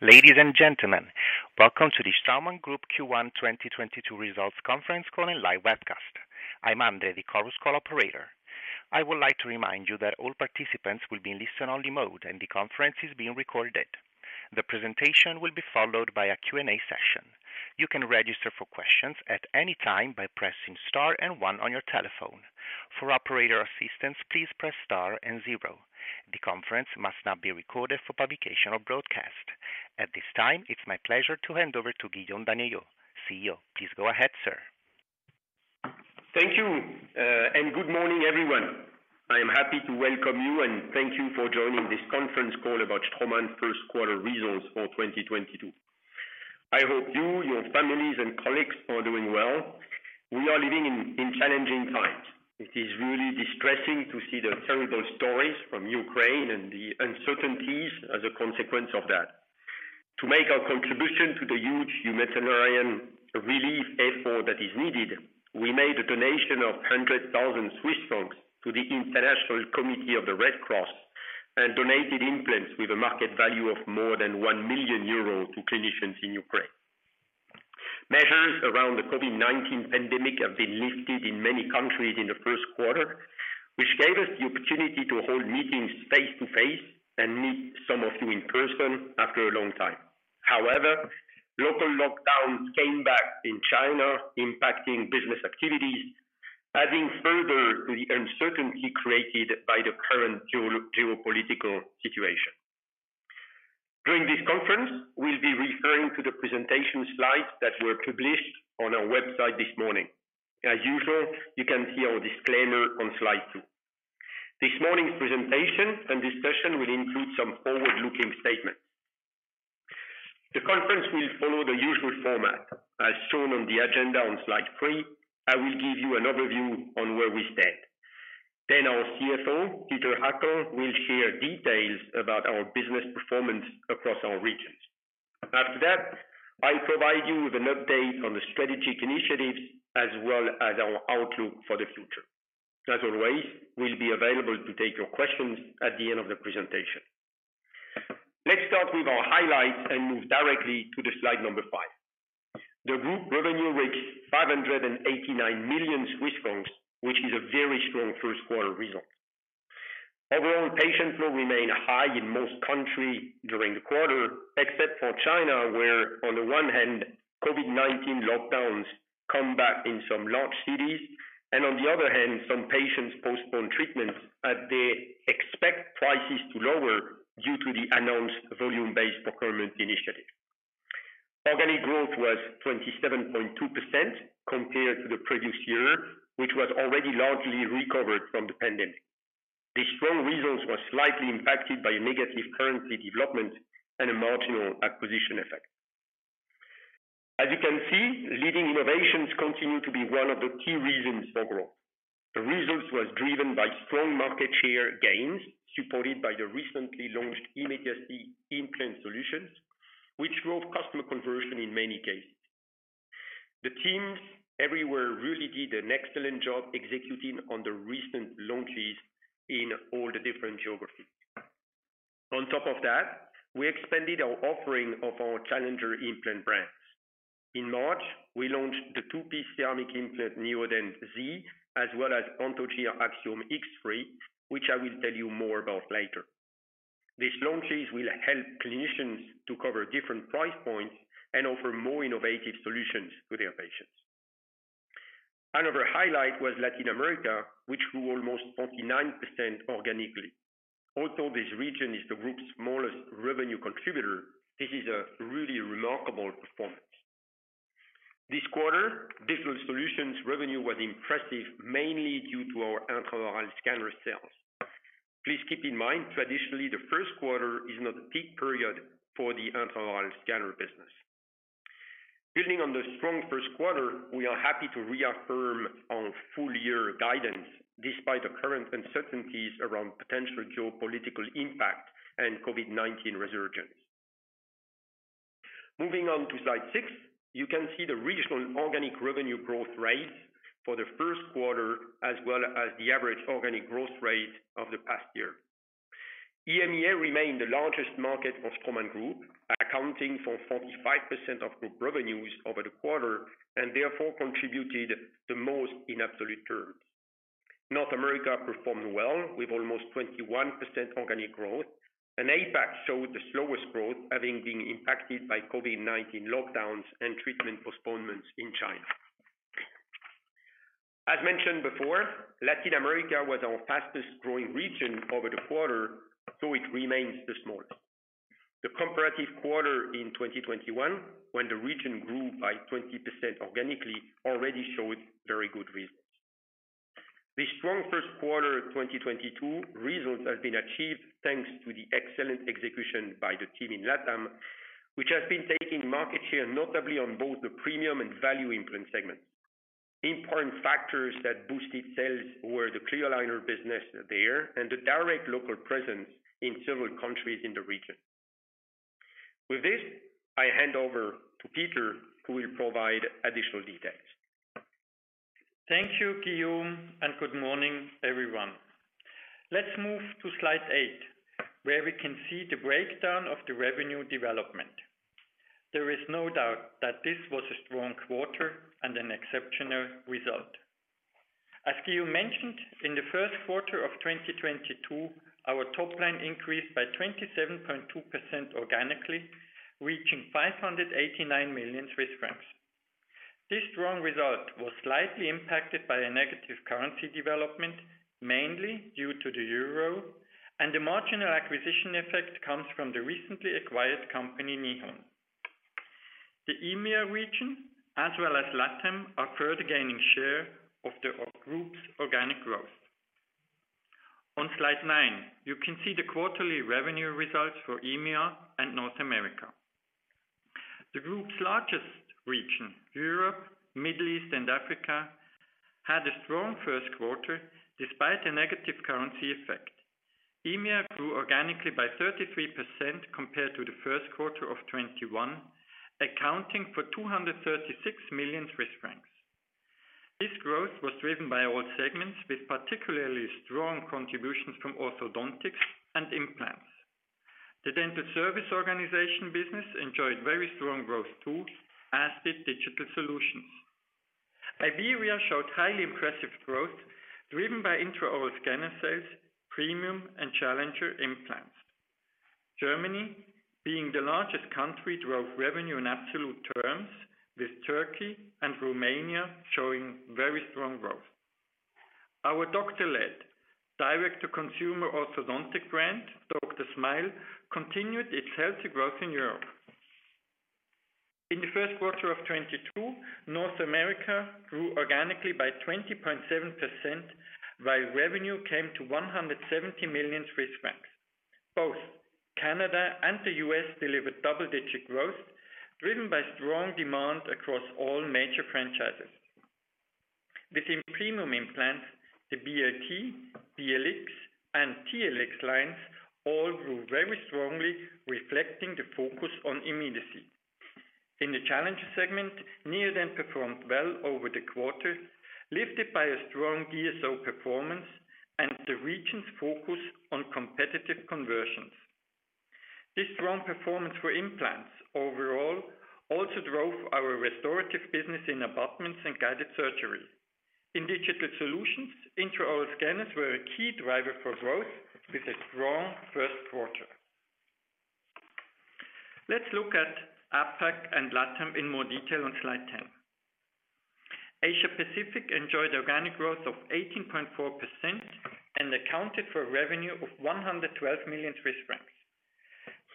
Ladies and gentlemen, welcome to the Straumann Group Q1 2022 Results Conference Call and Live Webcast. I'm Andre, the Chorus Call operator. I would like to remind you that all participants will be in listen-only mode and the conference is being recorded. The presentation will be followed by a Q&A session. You can register for questions at any time by pressing star and one on your telephone. For operator assistance, please press star and zero. The conference must not be recorded for publication or broadcast. At this time, it's my pleasure to hand over to Guillaume Daniellot, CEO. Please go ahead, sir. Thank you, and good morning, everyone. I am happy to welcome you, and thank you for joining this conference call about Straumann first quarter results for 2022. I hope you, your families, and colleagues are doing well. We are living in challenging times. It is really distressing to see the terrible stories from Ukraine and the uncertainties as a consequence of that. To make our contribution to the huge humanitarian relief effort that is needed, we made a donation of 100,000 Swiss francs to the International Committee of the Red Cross, and donated implants with a market value of more than 1 million euros to clinicians in Ukraine. Measures around the COVID-19 pandemic have been lifted in many countries in the first quarter, which gave us the opportunity to hold meetings face-to-face and meet some of you in person after a long time. However, local lockdowns came back in China, impacting business activities, adding further to the uncertainty created by the current geopolitical situation. During this conference, we'll be referring to the presentation slides that were published on our website this morning. As usual, you can see our disclaimer on slide two. This morning's presentation and discussion will include some forward-looking statements. The conference will follow the usual format, as shown on the agenda on slide three. I will give you an overview on where we stand. Then our CFO, Peter Hackel, will share details about our business performance across our regions. After that, I'll provide you with an update on the strategic initiatives as well as our outlook for the future. As always, we'll be available to take your questions at the end of the presentation. Let's start with our highlights and move directly to the slide number five. Group revenue reached 589 million Swiss francs, which is a very strong first quarter result. Overall, patient flow remained high in most countries during the quarter, except for China, where on the one hand, COVID-19 lockdowns came back in some large cities, and on the other hand, some patients postponed treatments as they expect prices to lower due to the announced volume-based procurement initiative. Organic growth was 27.2% compared to the previous year, which was already largely recovered from the pandemic. These strong results were slightly impacted by negative currency development and a marginal acquisition effect. As you can see, leading innovations continue to be one of the key reasons for growth. The results were driven by strong market share gains, supported by the recently launched immediate implant solutions, which drove customer conversion in many cases. The teams everywhere really did an excellent job executing on the recent launches in all the different geographies. On top of that, we expanded our offering of our challenger implant brands. In March, we launched the two-piece ceramic implant Neodent Zi as well as Anthogyr Axiom X3, which I will tell you more about later. These launches will help clinicians to cover different price points and offer more innovative solutions to their patients. Another highlight was Latin America, which grew almost 49% organically. Although this region is the group's smallest revenue contributor, this is a really remarkable performance. This quarter, Digital Solutions revenue was impressive mainly due to our intraoral scanner sales. Please keep in mind, traditionally, the first quarter is not a peak period for the intraoral scanner business. Building on the strong first quarter, we are happy to reaffirm our full-year guidance despite the current uncertainties around potential geopolitical impact and COVID-19 resurgence. Moving on to slide six, you can see the regional organic revenue growth rates for the first quarter as well as the average organic growth rate of the past year. EMEA remained the largest market for Straumann Group, accounting for 45% of group revenues over the quarter and therefore contributed the most in absolute terms. North America performed well with almost 21% organic growth, and APAC showed the slowest growth, having been impacted by COVID-19 lockdowns and treatment postponements in China. As mentioned before, Latin America was our fastest growing region over the quarter, though it remains the smallest. The comparative quarter in 2021, when the region grew by 20% organically, already showed very good results. The strong first quarter 2022 results has been achieved thanks to the excellent execution by the team in LATAM, which has been taking market share notably on both the premium and value implant segments. Important factors that boosted sales were the clear aligner business there and the direct local presence in several countries in the region. With this, I hand over to Peter who will provide additional details. Thank you, Guillaume, and good morning, everyone. Let's move to slide eight, where we can see the breakdown of the revenue development. There is no doubt that this was a strong quarter and an exceptional result. As Guillaume mentioned, in the first quarter of 2022, our top line increased by 27.2% organically, reaching 589 million Swiss francs. This strong result was slightly impacted by a negative currency development, mainly due to the euro, and the marginal acquisition effect comes from the recently acquired company, Nihon. The EMEA region, as well as LATAM, are further gaining share of the group's organic growth. On slide nine, you can see the quarterly revenue results for EMEA and North America. The group's largest region, Europe, Middle East and Africa, had a strong first quarter despite a negative currency effect. EMEA grew organically by 33% compared to the first quarter of 2021, accounting for 236 million Swiss francs. This growth was driven by all segments with particularly strong contributions from orthodontics and implants. The dental service organization business enjoyed very strong growth too, as did digital solutions. Iberia showed highly impressive growth driven by intraoral scanner sales, premium and challenger implants. Germany, being the largest country, drove revenue in absolute terms with Turkey and Romania showing very strong growth. Our doctor-led direct-to-consumer orthodontic brand, DrSmile, continued its healthy growth in Europe. In the first quarter of 2022, North America grew organically by 20.7%, while revenue came to 170 million Swiss francs. Both Canada and the U.S. delivered double-digit growth driven by strong demand across all major franchises. Within premium implants, the BLT, BLX, and TLX lines all grew very strongly, reflecting the focus on immediacy. In the challenger segment, Neodent performed well over the quarter, lifted by a strong DSO performance and the region's focus on competitive conversions. This strong performance for implants overall also drove our restorative business in abutments and guided surgery. In digital solutions, intraoral scanners were a key driver for growth with a strong first quarter. Let's look at APAC and LATAM in more detail on slide ten. Asia-Pacific enjoyed organic growth of 18.4% and accounted for revenue of 112 million Swiss francs.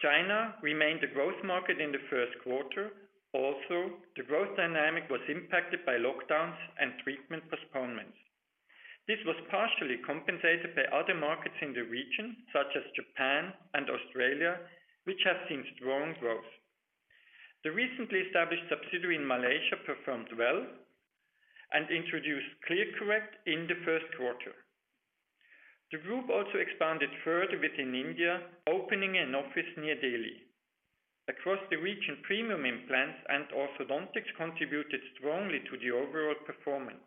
China remained a growth market in the first quarter. Also, the growth dynamic was impacted by lockdowns and treatment postponements. This was partially compensated by other markets in the region, such as Japan and Australia, which have seen strong growth. The recently established subsidiary in Malaysia performed well and introduced ClearCorrect in the first quarter. The group also expanded further within India, opening an office near Delhi. Across the region, premium implants and orthodontics contributed strongly to the overall performance.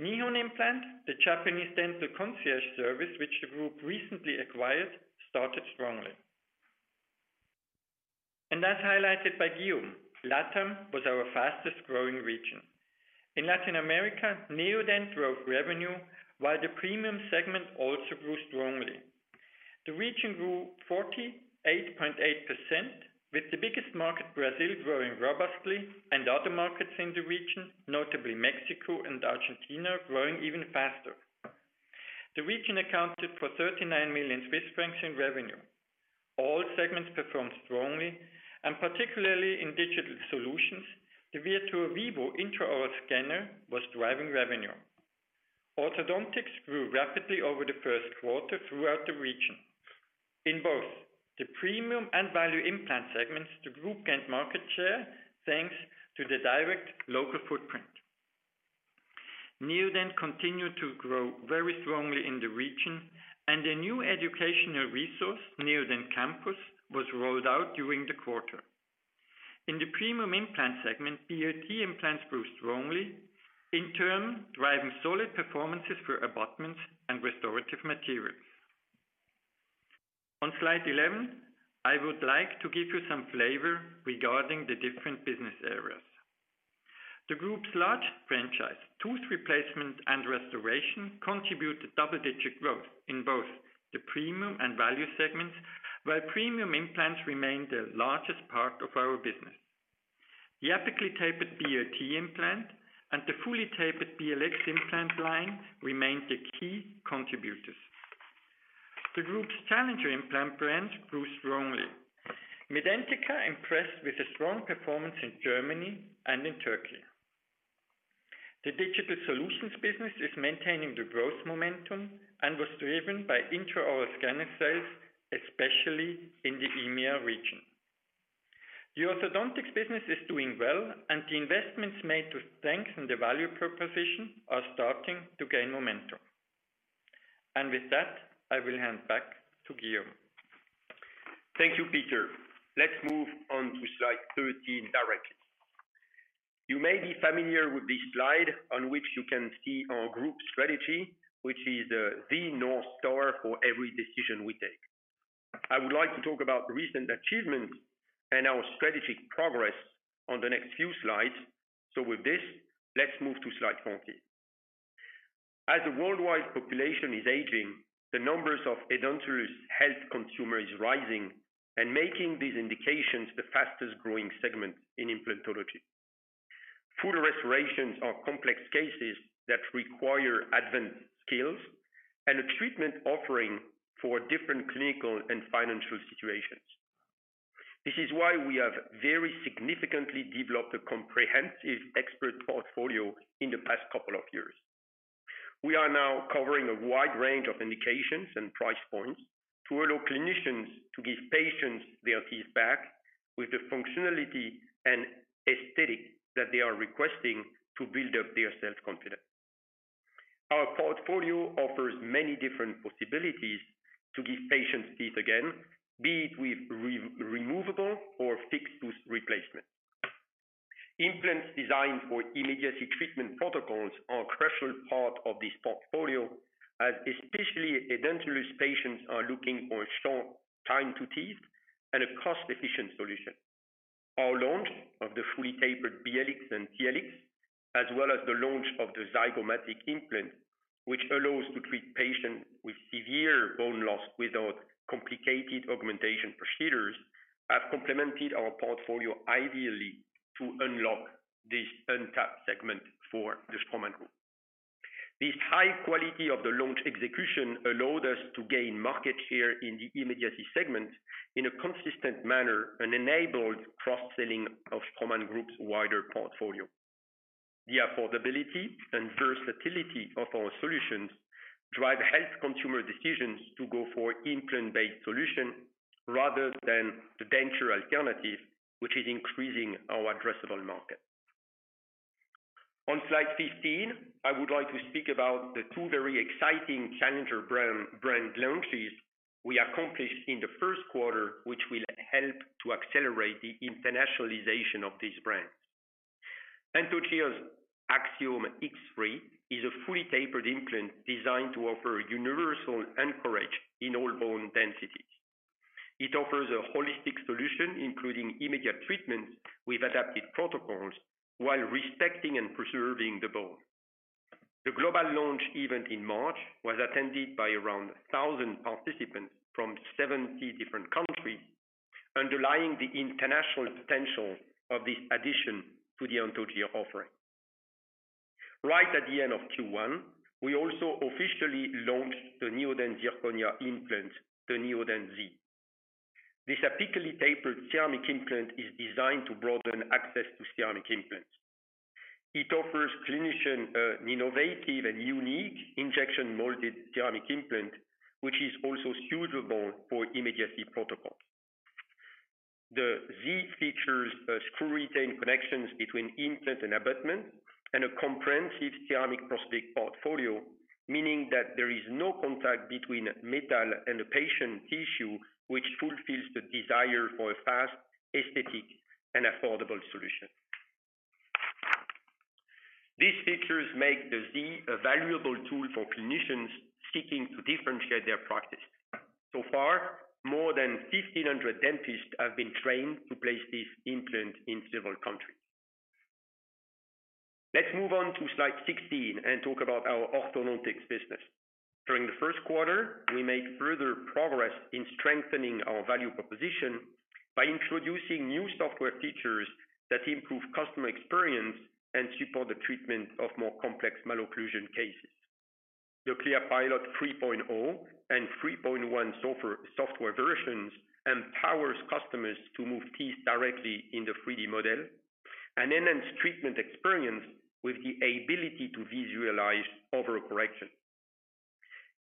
Nihon Implant, the Japanese dental concierge service which the group recently acquired, started strongly. As highlighted by Guillaume, LATAM was our fastest growing region. In Latin America, Neodent drove revenue while the premium segment also grew strongly. The region grew 48.8% with the biggest market, Brazil, growing robustly and other markets in the region, notably Mexico and Argentina, growing even faster. The region accounted for 39 million Swiss francs in revenue. All segments performed strongly, and particularly in digital solutions, the Virtuo Vivo intraoral scanner was driving revenue. Orthodontics grew rapidly over the first quarter throughout the region. In both the premium and value implant segments, the group gained market share, thanks to the direct local footprint. Neodent continued to grow very strongly in the region, and a new educational resource, Neodent Campus, was rolled out during the quarter. In the premium implant segment, BLT implants grew strongly, in turn, driving solid performances for abutments and restorative materials. On slide 11, I would like to give you some flavor regarding the different business areas. The group's largest franchise, tooth replacement and restoration, contributed double-digit growth in both the premium and value segments, while premium implants remained the largest part of our business. The axially tapered BLT implant and the fully tapered BLX implant line remained the key contributors. The group's challenger implant brands grew strongly. MEDENTiKA impressed with a strong performance in Germany and in Turkey. The digital solutions business is maintaining the growth momentum and was driven by intraoral scanner sales, especially in the EMEA region. The orthodontics business is doing well, and the investments made to strengthen the value proposition are starting to gain momentum. With that, I will hand back to Guillaume. Thank you, Peter. Let's move on to slide 13 directly. You may be familiar with this slide on which you can see our group strategy, which is the North Star for every decision we take. I would like to talk about recent achievements and our strategic progress on the next few slides. With this, let's move to slide 14. As the worldwide population is aging, the numbers of edentulous health consumer is rising and making these indications the fastest growing segment in implantology. Full restorations are complex cases that require advanced skills and a treatment offering for different clinical and financial situations. This is why we have very significantly developed a comprehensive expert portfolio in the past couple of years. We are now covering a wide range of indications and price points to allow clinicians to give patients their teeth back with the functionality and aesthetic that they are requesting to build up their self-confidence. Our portfolio offers many different possibilities to give patients teeth again, be it with removable or fixed tooth replacement. Implants designed for immediate treatment protocols are a crucial part of this portfolio, as especially edentulous patients are looking for a short time to teeth and a cost-efficient solution. Our launch of the fully tapered BLX and TLX, as well as the launch of the zygomatic implant, which allows to treat patients with severe bone loss without complicated augmentation procedures, have complemented our portfolio ideally to unlock this untapped segment for the Straumann Group. This high quality of the launch execution allowed us to gain market share in the immediate segment in a consistent manner and enabled cross-selling of Straumann Group's wider portfolio. The affordability and versatility of our solutions drive health consumer decisions to go for implant-based solution rather than the denture alternative, which is increasing our addressable market. On slide 15, I would like to speak about the two very exciting challenger brand launches we accomplished in the first quarter, which will help to accelerate the internationalization of these brands. Anthogyr Axiom X3 is a fully tapered implant designed to offer universal anchorage in all bone densities. It offers a holistic solution, including immediate treatments with adapted protocols while respecting and preserving the bone. The global launch event in March was attended by around 1,000 participants from 70 different countries, underlying the international potential of this addition to the Anthogyr offering. Right at the end of Q1, we also officially launched the Neodent Zirconia implant, the Neodent Zi. This apically tapered ceramic implant is designed to broaden access to ceramic implants. It offers clinicians an innovative and unique injection molded ceramic implant, which is also suitable for immediate Zi protocol. The Zi features a screw-retained connections between implant and abutment and a comprehensive ceramic prosthetics portfolio, meaning that there is no contact between metal and the patient tissue, which fulfills the desire for a fast, aesthetic and affordable solution. These features make the Zi a valuable tool for clinicians seeking to differentiate their practice. So far, more than 1,500 dentists have been trained to place this implant in several countries. Let's move on to slide 16 and talk about our Orthodontics business. During the first quarter, we made further progress in strengthening our value proposition by introducing new software features that improve customer experience and support the treatment of more complex malocclusion cases. The ClearPilot 3.0 and 3.1 software versions empowers customers to move teeth directly in the 360 model and enhance treatment experience with the ability to visualize overcorrection.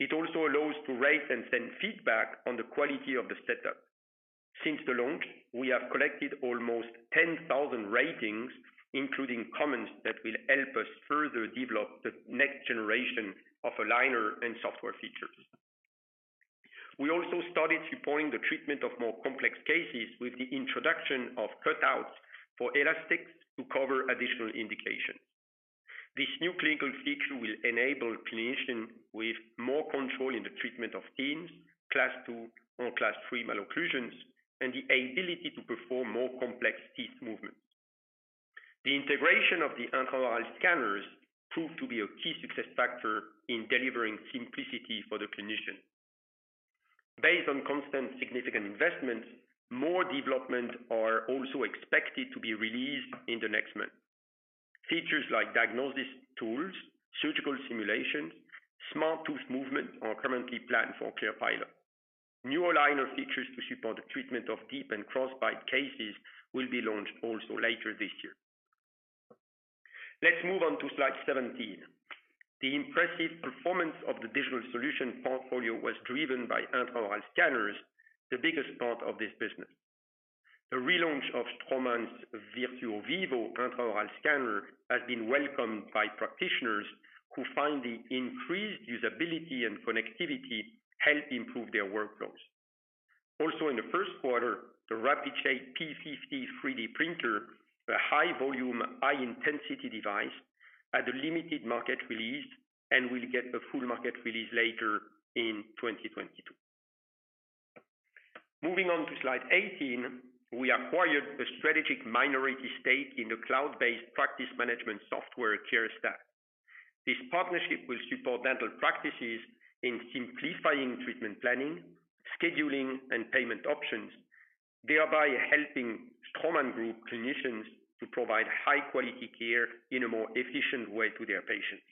It also allows to rate and send feedback on the quality of the setup. Since the launch, we have collected almost 10,000 ratings, including comments that will help us further develop the next generation of aligner and software features. We also started supporting the treatment of more complex cases with the introduction of cutouts for elastics to cover additional indications. This new clinical feature will enable clinician with more control in the treatment of teams, Class II or Class III malocclusions and the ability to perform more complex teeth movements. The integration of the intraoral scanners proved to be a key success factor in delivering simplicity for the clinician. Based on constant significant investments, more development are also expected to be released in the next month. Features like diagnosis tools, surgical simulation, smart tooth movement are currently planned for ClearPilot. New aligner features to support the treatment of deep and crossbite cases will be launched also later this year. Let's move on to slide 17. The impressive performance of the digital solution portfolio was driven by intraoral scanners, the biggest part of this business. The relaunch of Straumann's Virtuo Vivo intraoral scanner has been welcomed by practitioners who find the increased usability and connectivity help improve their workflows. Also in the first quarter, the RapidShape P50 3D printer, a high-volume, high-intensity device, had a limited market release and will get a full market release later in 2022. Moving on to slide 18, we acquired a strategic minority stake in the cloud-based practice management software, CareStack. This partnership will support dental practices in simplifying treatment planning, scheduling, and payment options, thereby helping Straumann Group clinicians to provide high-quality care in a more efficient way to their patients.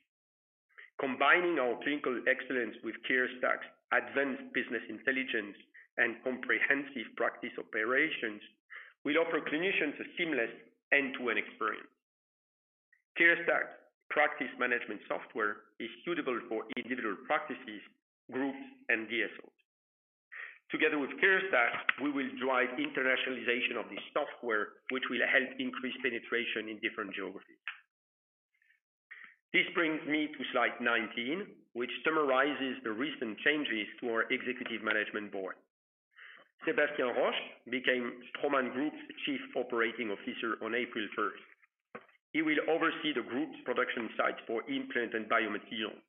Combining our clinical excellence with CareStack's advanced business intelligence and comprehensive practice operations will offer clinicians a seamless end-to-end experience. CareStack practice management software is suitable for individual practices, groups, and DSOs. Together with CareStack, we will drive internationalization of this software, which will help increase penetration in different geographies. This brings me to slide 19, which summarizes the recent changes to our executive management board. Sébastien Roche became Straumann Group's Chief Operating Officer on April 1st. He will oversee the group's production sites for implants and biomaterials.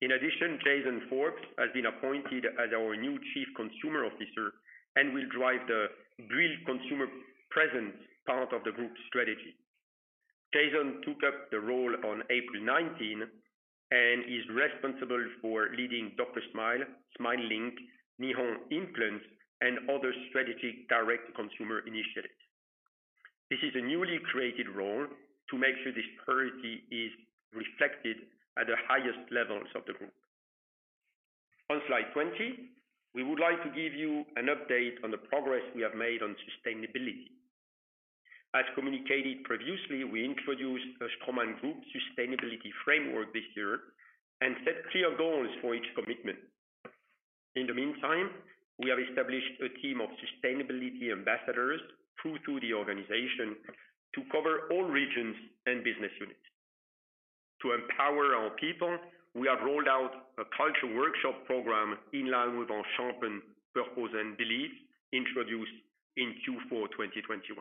In addition, Jason Forbes has been appointed as our new Chief Consumer Officer and will drive the build consumer presence part of the group's strategy. Jason took up the role on April 19th and is responsible for leading DrSmile, Smilink, Nihon Implant, and other strategic direct-to-consumer initiatives. This is a newly created role to make sure this priority is reflected at the highest levels of the group. On slide 20, we would like to give you an update on the progress we have made on sustainability. As communicated previously, we introduced a Straumann Group sustainability framework this year and set clear goals for each commitment. In the meantime, we have established a team of sustainability ambassadors through to the organization to cover all regions and business units. To empower our people, we have rolled out a cultural workshop program in line with our sharpened purpose and beliefs introduced in Q4 2021.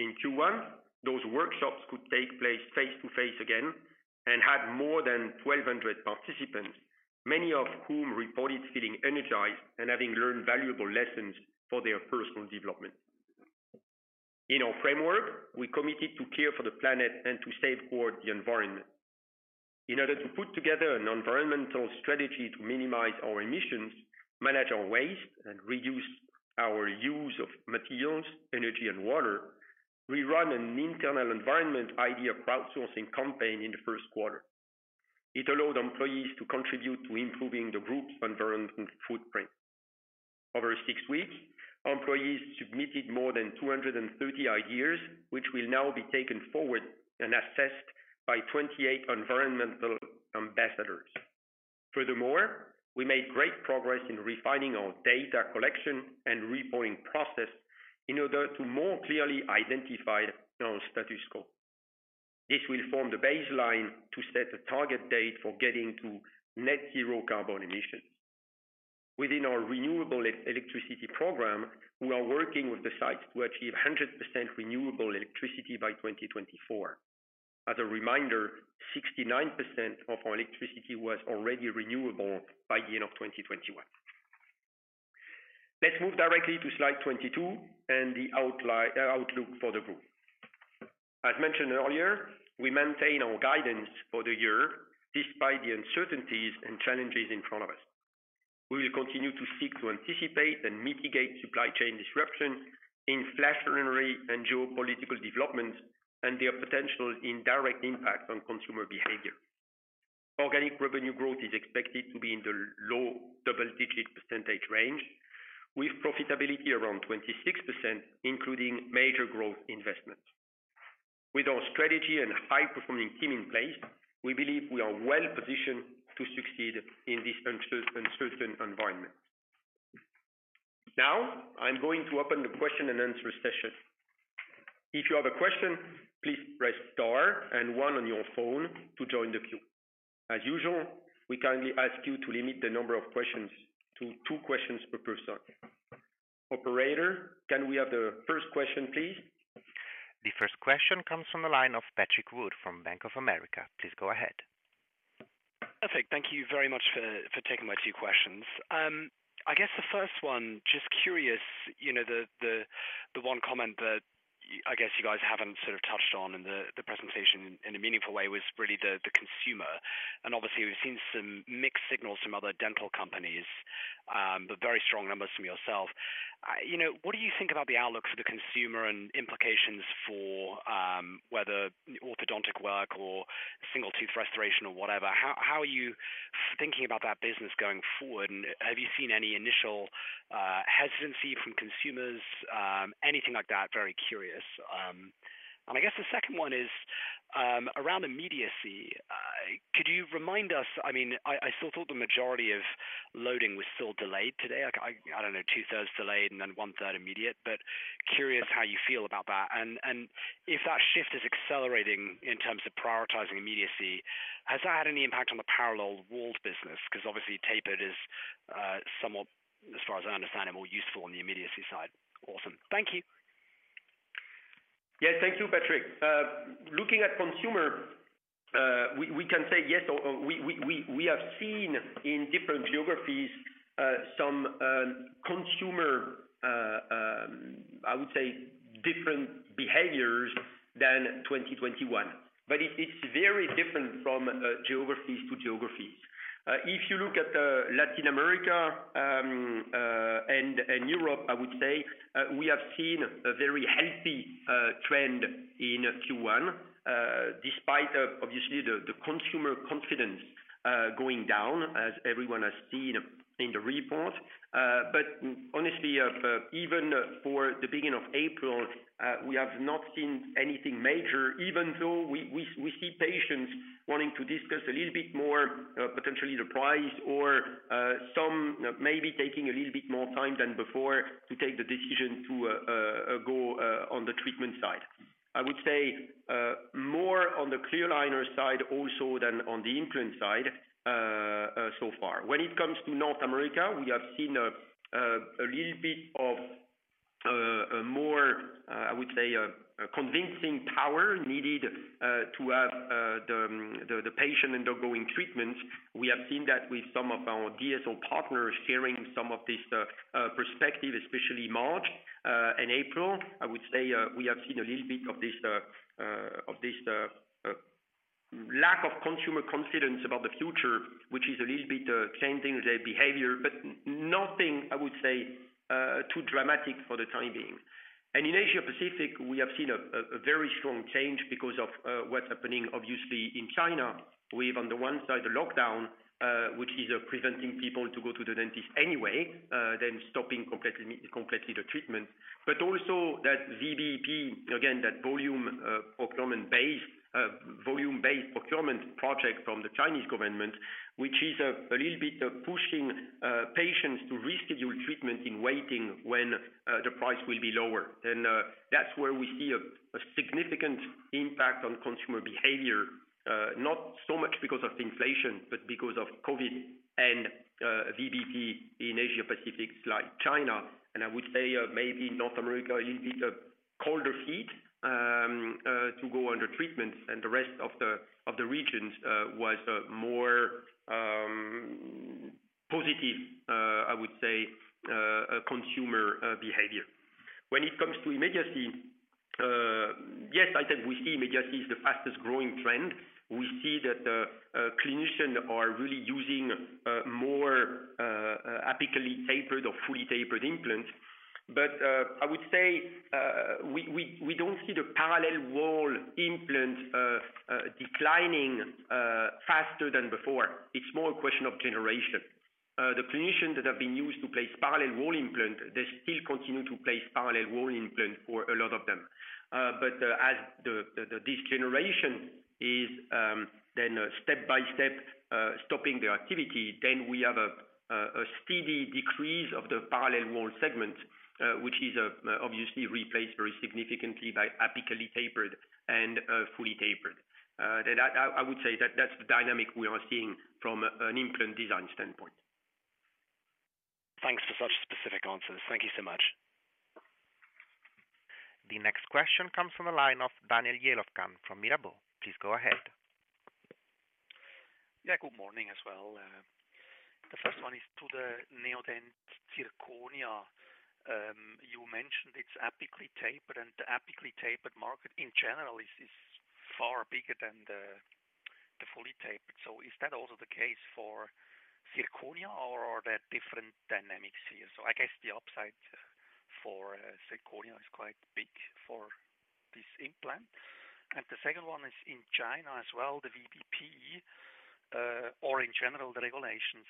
In Q1, those workshops could take place face-to-face again and had more than 1,200 participants, many of whom reported feeling energized and having learned valuable lessons for their personal development. In our framework, we committed to care for the planet and to safeguard the environment. In order to put together an environmental strategy to minimize our emissions, manage our waste, and reduce our use of materials, energy and water, we ran an internal environment idea crowdsourcing campaign in the first quarter. It allowed employees to contribute to improving the group's environmental footprint. Over six weeks, employees submitted more than 230 ideas, which will now be taken forward and assessed by 28 environmental ambassadors. Furthermore, we made great progress in refining our data collection and reporting process in order to more clearly identify our status quo. This will form the baseline to set a target date for getting to net zero carbon emissions. Within our renewable electricity program, we are working with the sites to achieve 100% renewable electricity by 2024. As a reminder, 69% of our electricity was already renewable by the end of 2021. Let's move directly to slide 22 and the outlook for the group. As mentioned earlier, we maintain our guidance for the year despite the uncertainties and challenges in front of us. We will continue to seek to anticipate and mitigate supply chain disruption, inflationary and geopolitical developments, and their potential indirect impact on consumer behavior. Organic revenue growth is expected to be in the low double-digit percentage range, with profitability around 26%, including major growth investments. With our strategy and high-performing team in place, we believe we are well positioned to succeed in this uncertain environment. Now, I'm going to open the question-and-answer session. If you have a question, please press star and one on your phone to join the queue. As usual, we kindly ask you to limit the number of questions to two questions per person. Operator, can we have the first question, please? The first question comes from the line of Patrick Wood from Bank of America. Please go ahead. Perfect, thank you very much for taking my two questions. I guess the first one, just curious, you know, the one comment that I guess you guys haven't sort of touched on in the presentation in a meaningful way was really the consumer. Obviously we've seen some mixed signals from other dental companies, but very strong numbers from yourself. You know, what do you think about the outlook for the consumer and implications for whether orthodontic work or single tooth restoration or whatever? How are you thinking about that business going forward? Have you seen any initial hesitancy from consumers, anything like that? Very curious. I guess the second one is around immediacy. Could you remind us? I mean, I still thought the majority of loading was still delayed today. Like, I don't know, 2/3 delayed and then 1/3 immediate, but curious how you feel about that. If that shift is accelerating in terms of prioritizing immediacy, has that had any impact on the parallel-walled business? 'Cause obviously tapered is, somewhat, as far as I understand, more useful on the immediacy side. Awesome. Thank you. Yeah. Thank you, Patrick. Looking at consumer, we have seen in different geographies some consumer I would say different behaviors than 2021. It's very different from geographies to geographies. If you look at Latin America and Europe, I would say we have seen a very healthy trend in Q1 despite obviously the consumer confidence going down as everyone has seen in the report. Honestly, even for the beginning of April, we have not seen anything major, even though we see patients wanting to discuss a little bit more, potentially the price or some maybe taking a little bit more time than before to take the decision to go on the treatment side. I would say, more on the clear aligner side also than on the implant side, so far. When it comes to North America, we have seen a little bit more, I would say a convincing power needed, to have the patient undergoing treatment. We have seen that with some of our DSO partners sharing some of this perspective, especially March and April. I would say we have seen a little bit of this of this lack of consumer confidence about the future, which is a little bit changing their behavior, but nothing, I would say, too dramatic for the time being. In Asia Pacific, we have seen a very strong change because of what's happening obviously in China. We have, on the one side, the lockdown, which is preventing people to go to the dentist anyway, then stopping completely the treatment. But also that VBP, again, that volume-based procurement project from the Chinese government, which is a little bit of pushing patients to reschedule treatment and waiting when the price will be lower. That's where we see a significant impact on consumer behavior, not so much because of the inflation, but because of COVID and VBP in Asia Pacific like China. I would say maybe North America, a little bit of colder feet to go under treatments and the rest of the regions was more positive, I would say, consumer behavior. When it comes to immediacy, yes, I said we see immediacy is the fastest growing trend. We see that a clinician are really using more apically tapered or fully tapered implants. I would say we don't see the parallel wall implant declining faster than before. It's more a question of generation. The clinicians that have been used to place parallel wall implant, they still continue to place parallel wall implant for a lot of them. As this generation is then step-by-step stopping the activity, then we have a steady decrease of the parallel wall segment, which is obviously replaced very significantly by apically tapered and fully tapered. That I would say that's the dynamic we are seeing from an implant design standpoint. Thanks for such specific answers. Thank you so much. The next question comes from the line of Daniel Jelovcan from Mirabaud. Please go ahead. Yeah, good morning as well. The first one is to the Neodent Zirconia. You mentioned it's apically tapered, and the apically tapered market in general is far bigger than the fully tapered. Is that also the case for zirconia or are there different dynamics here? I guess the upside for zirconia is quite big for this implant. The second one is in China as well, the VBP, or in general, the regulations.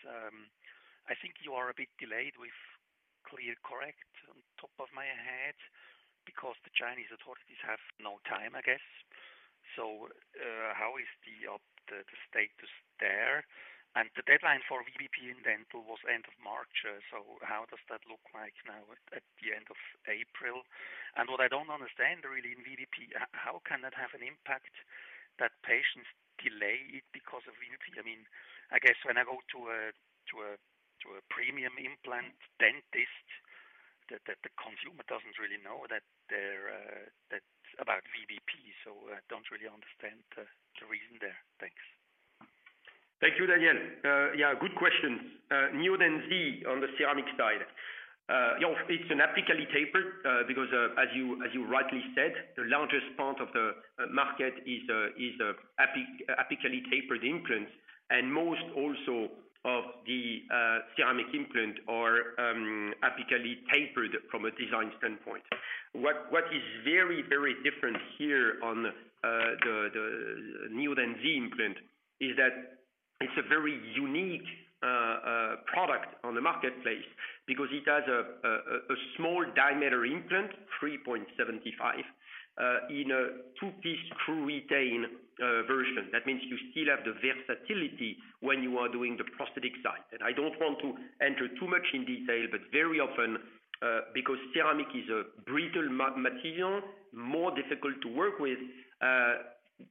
I think you are a bit delayed with ClearCorrect off the top of my head because the Chinese authorities have no time, I guess. How is the status there? The deadline for VBP in dental was end of March. How does that look like now at the end of April? What I don't understand really in VBP, how can that have an impact that patients delay it because of VBP? I mean, I guess when I go to a premium implant dentist, that the consumer doesn't really know that they're that's about VBP. Don't really understand the reason there. Thanks. Thank you, Daniel. Good questions. Neodent Zi on the ceramic side. You know, it's apically tapered because, as you rightly said, the largest part of the market is apically tapered implants, and most also of the ceramic implants are apically tapered from a design standpoint. What is very different here on the Neodent Zi implant is that it's a very unique one on the marketplace, because it has a small diameter implant, 3.75, in a two-piece screw-retained version. That means you still have the versatility when you are doing the prosthetic side. I don't want to enter too much in detail, but very often, because ceramic is a brittle material, more difficult to work with,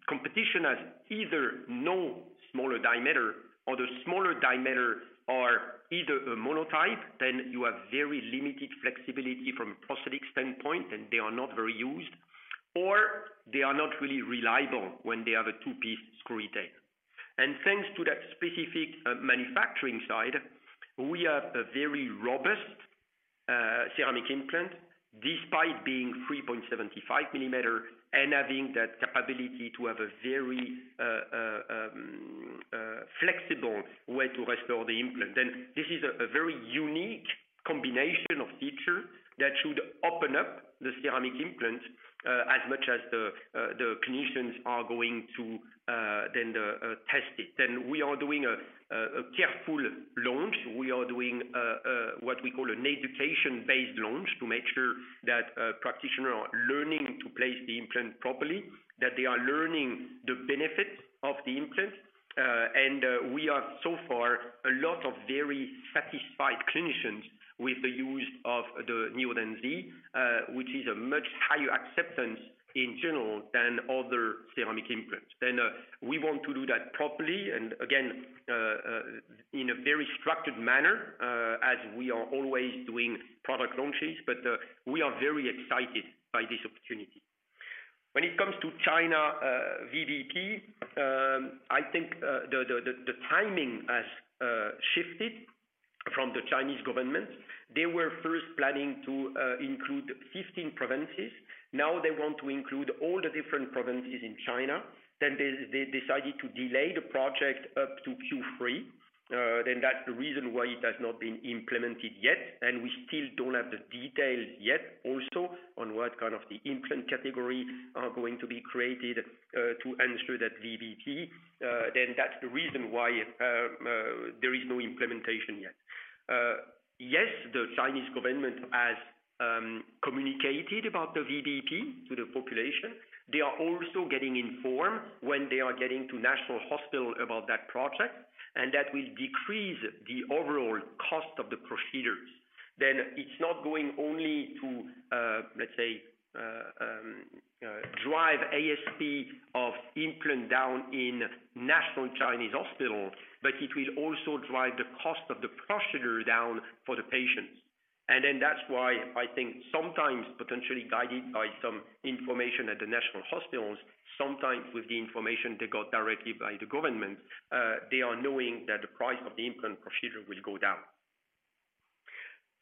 competition has either no smaller diameter, or the smaller diameter are either a one-piece, then you have very limited flexibility from a prosthetic standpoint, and they are not very used, or they are not really reliable when they have a two-piece screw-retained. Thanks to that specific manufacturing side, we have a very robust ceramic implant despite being 3.75 millimeter and having that capability to have a very flexible way to restore the implant. This is a very unique combination of feature that should open up the ceramic implant as much as the clinicians are going to test it. We are doing a careful launch. We are doing what we call an education-based launch to make sure that practitioners are learning to place the implant properly, that they are learning the benefits of the implant. We have so far a lot of very satisfied clinicians with the use of the Neodent Zi, which is a much higher acceptance in general than other ceramic implants. We want to do that properly and again in a very structured manner as we are always doing product launches. We are very excited by this opportunity. When it comes to China, VBP, I think the timing has shifted from the Chinese government. They were first planning to include 15 provinces. They want to include all the different provinces in China. They decided to delay the project up to Q3. That's the reason why it has not been implemented yet, and we still don't have the details yet also on what kind of the implant category are going to be created to ensure that VBP. That's the reason why there is no implementation yet. Yes, the Chinese government has communicated about the VBP to the population. They are also getting informed when they are getting to national hospitals about that project, and that will decrease the overall cost of the procedures. It's not going only to let's say drive ASP of implant down in national Chinese hospitals, but it will also drive the cost of the procedure down for the patients. That's why I think sometimes potentially guided by some information at the national hospitals, sometimes with the information they got directly by the government, they are knowing that the price of the implant procedure will go down.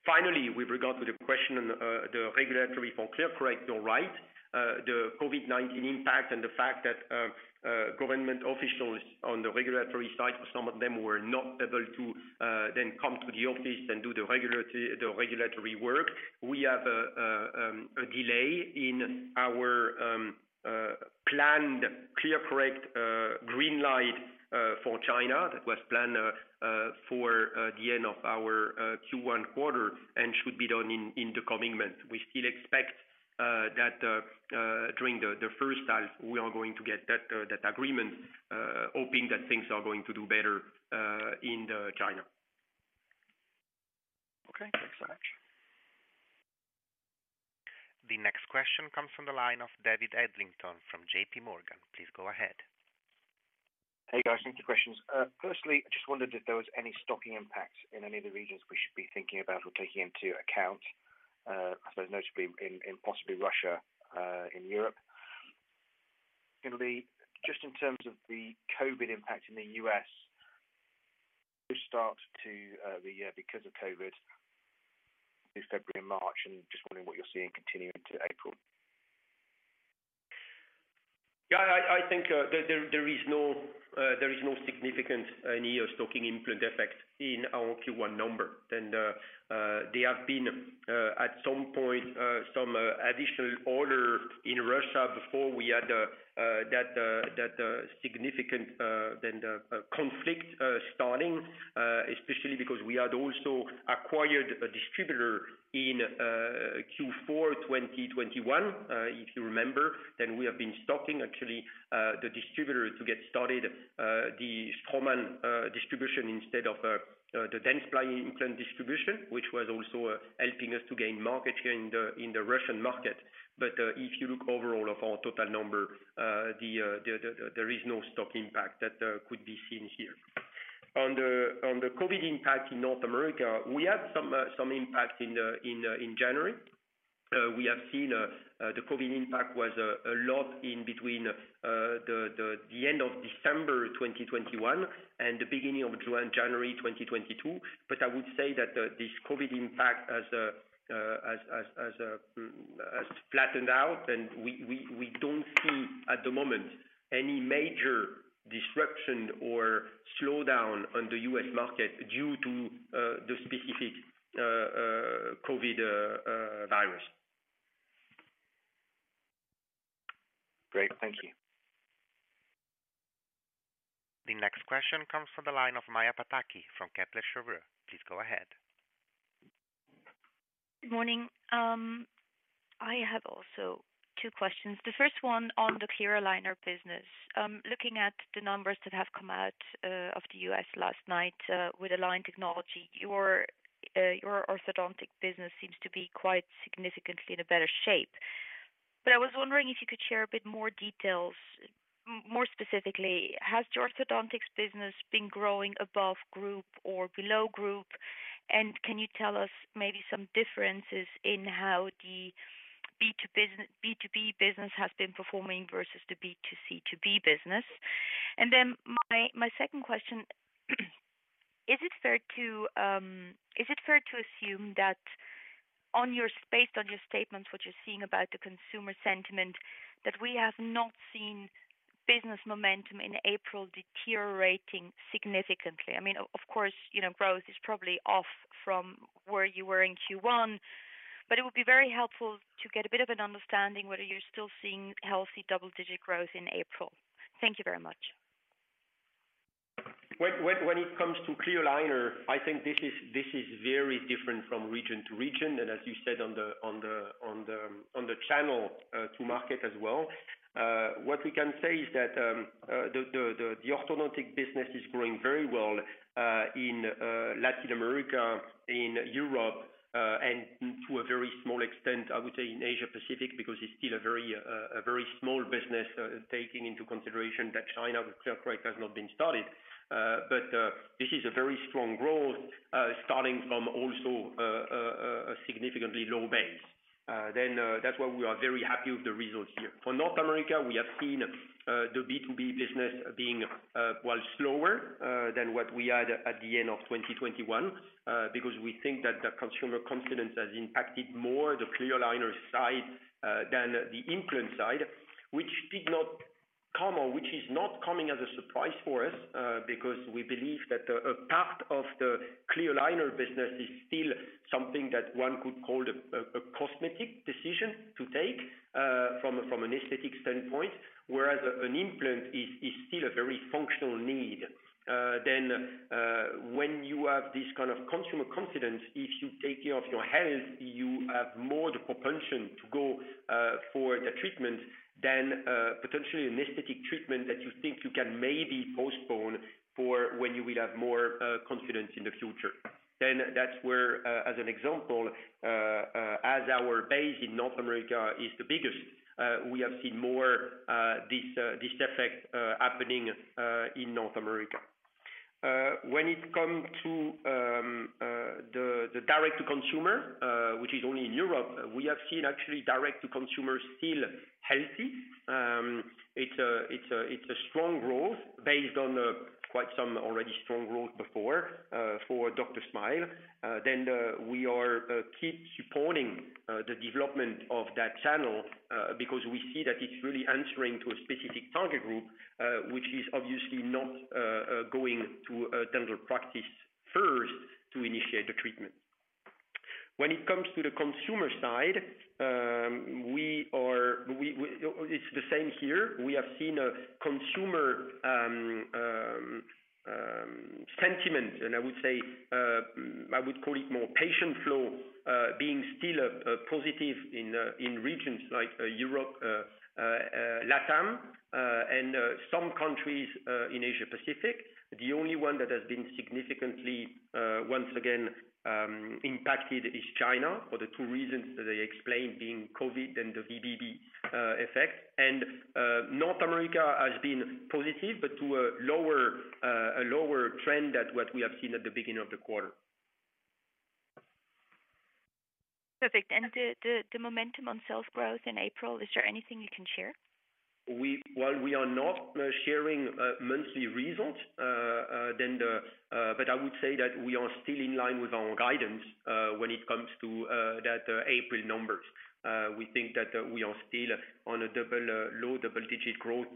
Finally, with regard to the question on the regulatory for ClearCorrect, you're right. The COVID-19 impact and the fact that government officials on the regulatory side, some of them were not able to then come to the office and do the regulatory work. We have a delay in our planned ClearCorrect green light for China that was planned for the end of our Q1 quarter and should be done in the coming months. We still expect that during the first half we are going to get that agreement, hoping that things are going to do better in China. Okay, thanks so much. The next question comes from the line of David Adlington from JPMorgan. Please go ahead. Hey, guys. Thanks for the questions. Firstly, I just wondered if there was any stocking impacts in any of the regions we should be thinking about or taking into account. I suppose notably in possibly Russia in Europe. Gonna be just in terms of the COVID impact in the U.S., because of COVID this February and March, and just wondering what you're seeing continuing to April. I think there is no significant destocking implant effect in our Q1 number. They have been at some point some additional order in Russia before we had that significant conflict starting, especially because we had also acquired a distributor in Q4 2021. If you remember, we have been stocking actually the distributor to get started, the Straumann distribution instead of the Dentsply implant distribution, which was also helping us to gain market share in the Russian market. If you look overall of our total number, there is no stock impact that could be seen here. On the COVID impact in North America, we had some impact in January. We have seen the COVID impact was a lot in between the end of December 2021 and the beginning of January 2022. I would say that this COVID impact has flattened out and we don't see at the moment any major disruption or slowdown on the U.S. market due to the specific COVID virus. Great. Thank you. The next question comes from the line of Maja Pataki from Kepler Cheuvreux. Please go ahead. Good morning. I have also two questions. The first one on the clear aligner business. Looking at the numbers that have come out of the U.S. last night with Align Technology, your orthodontic business seems to be quite significantly in a better shape. I was wondering if you could share a bit more details. More specifically, has your orthodontics business been growing above group or below group? And can you tell us maybe some differences in how the B2B business has been performing versus the B2C2B business? And then my second question, is it fair to assume that based on your statements, what you're seeing about the consumer sentiment, that we have not seen business momentum in April deteriorating significantly? I mean, of course, you know, growth is probably off from where you were in Q1, but it would be very helpful to get a bit of an understanding whether you're still seeing healthy double-digit growth in April. Thank you very much. When it comes to clear aligner, I think this is very different from region to region, and as you said on the channel to market as well. What we can say is that the orthodontic business is growing very well in Latin America, in Europe, and to a very small extent, I would say in Asia Pacific, because it's still a very small business, taking into consideration that China with ClearCorrect has not been started. This is a very strong growth, starting from also a significantly low base. That's why we are very happy with the results here. For North America, we have seen the B2B business being, while slower than what we had at the end of 2021, because we think that the consumer confidence has impacted more the clear aligner side than the implant side, which did not come or which is not coming as a surprise for us, because we believe that a part of the clear aligner business is still something that one could call a cosmetic decision to take from an aesthetic standpoint, whereas an implant is still a very functional need. When you have this kind of consumer confidence, if you take care of your health, you have more the propensity to go for the treatment than potentially an aesthetic treatment that you think you can maybe postpone for when you will have more confidence in the future. That's where, as an example, as our base in North America is the biggest, we have seen more this effect happening in North America. When it come to the direct to consumer, which is only in Europe, we have seen actually direct to consumer still healthy. It's a strong growth based on quite some already strong growth before for DrSmile. We keep supporting the development of that channel because we see that it's really answering to a specific target group which is obviously not going to a dental practice first to initiate the treatment. When it comes to the consumer side, it's the same here. We have seen a consumer sentiment, and I would say I would call it more patient flow being still positive in regions like Europe, LATAM, and some countries in Asia Pacific. The only one that has been significantly once again impacted is China for the two reasons that I explained being COVID and the VBP effect. North America has been positive, but to a lower trend than what we have seen at the beginning of the quarter. Perfect. The momentum on sales growth in April, is there anything you can share? While we are not sharing monthly results, but I would say that we are still in line with our guidance when it comes to that April numbers. We think that we are still on a low double-digit growth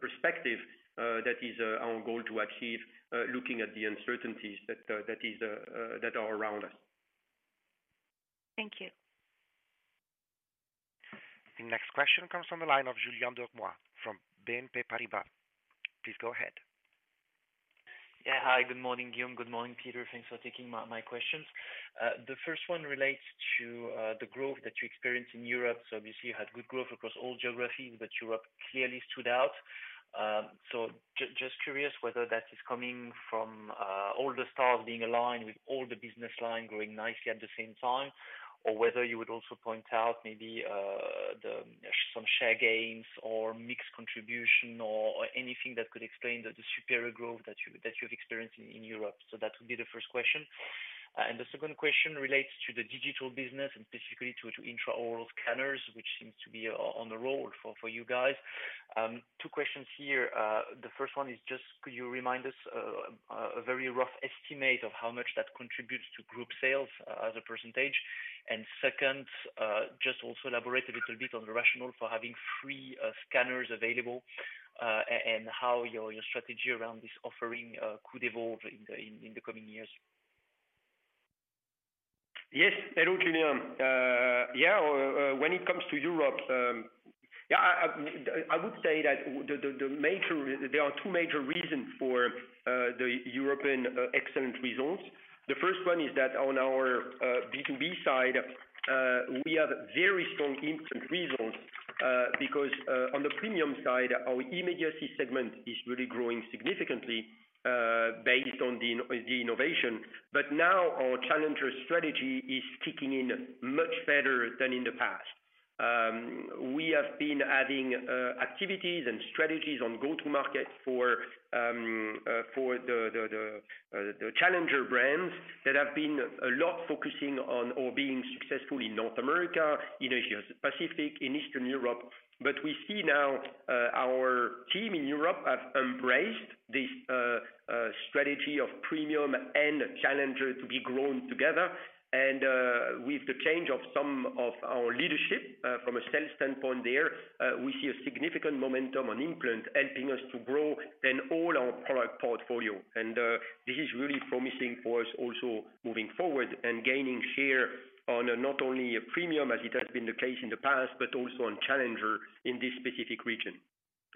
perspective that is our goal to achieve looking at the uncertainties that are around us. Thank you. The next question comes from the line of Julien Dormois from BNP Paribas. Please go ahead. Yeah. Hi, good morning, Guillaume. Good morning, Peter. Thanks for taking my questions. The first one relates to the growth that you experienced in Europe. Obviously you had good growth across all geographies, but Europe clearly stood out. Just curious whether that is coming from all the stars being aligned with all the business line growing nicely at the same time, or whether you would also point out maybe some share gains or mixed contribution or anything that could explain the superior growth that you've experienced in Europe. That would be the first question. And the second question relates to the digital business and specifically to intraoral scanners, which seems to be on the road for you guys. Two questions here. The first one is just could you remind us, a very rough estimate of how much that contributes to group sales, as a percentage? Second, just also elaborate a little bit on the rationale for having free scanners available, and how your strategy around this offering could evolve in the coming years. Yes. Hello, Julien. When it comes to Europe, I would say that there are two major reasons for the European excellent results. The first one is that on our B2B side, we have very strong implant results because on the premium side, our immediacy segment is really growing significantly based on the innovation. Now our challenger strategy is kicking in much better than in the past. We have been adding activities and strategies on go-to-market for the challenger brands that have been a lot focusing on or being successful in North America, in Asia Pacific, in Eastern Europe. We see now our team in Europe have embraced this strategy of premium and challenger to be grown together. With the change of some of our leadership, from a sales standpoint there, we see a significant momentum on implant helping us to grow than all our product portfolio. This is really promising for us also moving forward and gaining share on not only a premium as it has been the case in the past, but also on challenger in this specific region.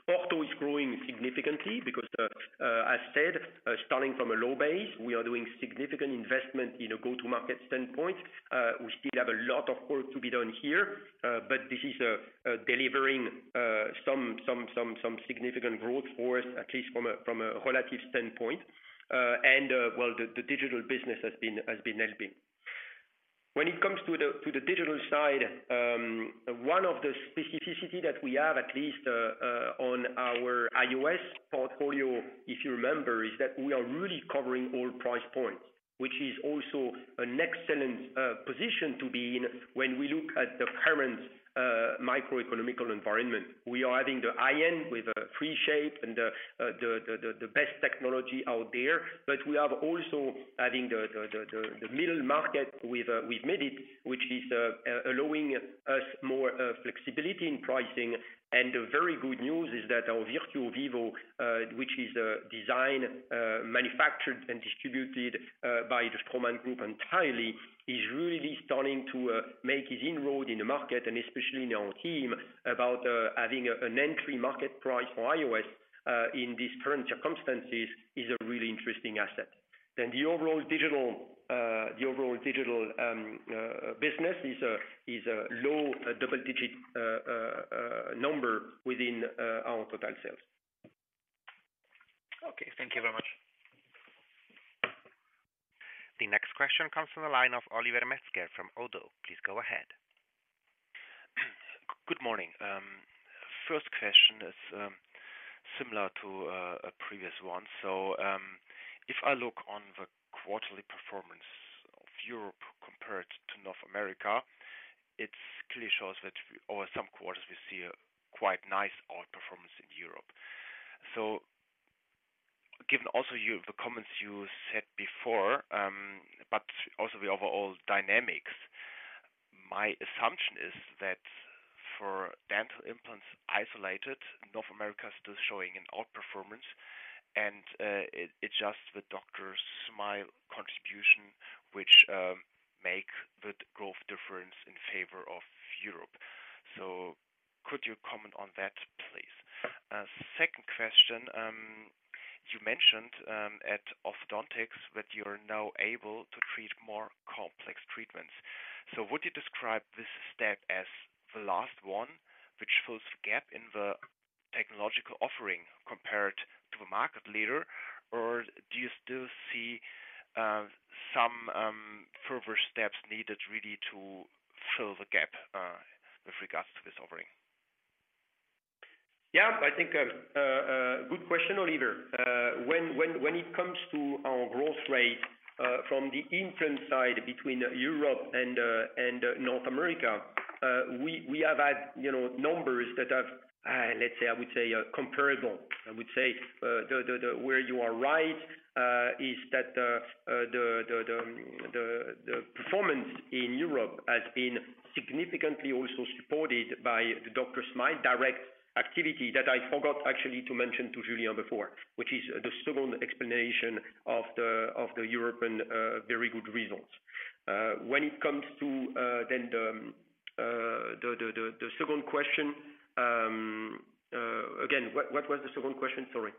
Ortho is growing significantly because, as said, starting from a low base, we are doing significant investment in a go-to-market standpoint. We still have a lot of work to be done here, but this is delivering some significant growth for us, at least from a relative standpoint. Well, the digital business has been helping. When it comes to the digital side, one of the specificity that we have, at least, on our IOS portfolio, if you remember, is that we are really covering all price points, which is also an excellent position to be in when we look at the current macroeconomic environment. We are adding the high-end with Rapid Shape and the best technology out there. We are also adding the middle market with Medit, which is allowing us more flexibility in pricing. The very good news is that our Virtuo Vivo, which is designed, manufactured, and distributed by the Straumann Group entirely, is really starting to make its inroads in the market, and especially in terms of having an entry market price for IOS in these current circumstances, is a really interesting asset. The overall digital business is a low double-digit number within our total sales. Okay, thank you very much. The next question comes from the line of Oliver Metzger from ODDO. Please go ahead. Good morning. First question is similar to a previous one. If I look on the quarterly performance of Europe compared to North America, it clearly shows that over some quarters we see a quite nice outperformance in Europe. Given also the comments you said before, but also the overall dynamics, my assumption is that for dental implants isolated, North America is still showing an outperformance, and it's just the DrSmile contribution which make the growth difference in favor of Europe. Could you comment on that, please? Second question. You mentioned at orthodontics that you're now able to treat more complex treatments. Would you describe this step as the last one, which fills gap in the technological offering compared to the market leader? Do you still see some further steps needed really to fill the gap with regards to this offering? Yeah, I think good question, Oliver. When it comes to our growth rate from the implant side between Europe and North America, we have had, you know, numbers that have, let's say, I would say are comparable. I would say where you are right is that the performance in Europe has been significantly also supported by the DrSmile direct activity that I forgot actually to mention to Julien before, which is the second explanation of the European very good results. When it comes to then the second question, again, what was the second question? Sorry.